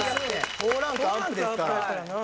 ４ランクアップやからな。